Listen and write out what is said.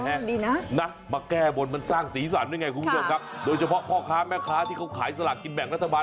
ดีนะนะมาแก้บนมันสร้างสีสันด้วยไงคุณผู้ชมครับโดยเฉพาะพ่อค้าแม่ค้าที่เขาขายสลากกินแบ่งรัฐบาล